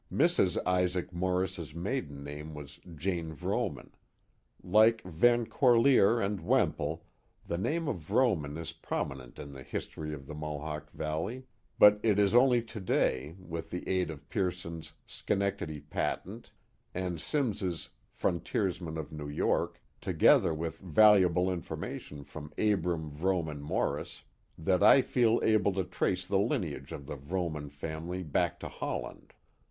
Mrs. Isaac Morris's maiden name was Jane Vrooman. Like Van Corlear and Wemple, the name of Vroo man is prominent in the history of the Mohawk Valley; but it is only to day, with the aid of VcsT'iO'n's Sc/ietieclady Patent and Simms's Frontiersmen of New York, together with valu able information from Abram Vrooman Morris, that I feel able to trace the lineage of the Vrooman family back to Hol land.